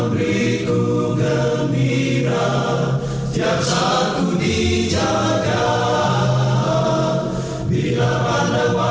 segera yesus akan kembali